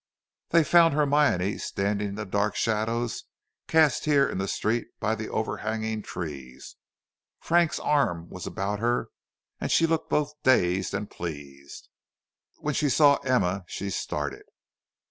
They found Hermione standing in the dark shadows cast here in the street by the overhanging trees. Frank's arm was about her and she looked both dazed and pleased. When she saw Emma she started.